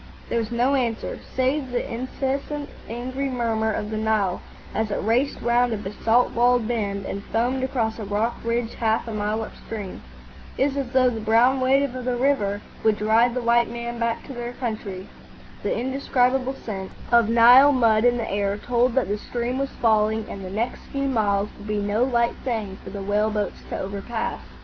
There was no answer, save the incessant angry murmur of the Nile as it raced round a basalt walled bend and foamed across a rock ridge half a mile upstream. It was as though the brown weight of the river would drive the white men back to their own country. The indescribable scent of Nile mud in the air told that the stream was falling and the next few miles would be no light thing for the whale boats to overpass.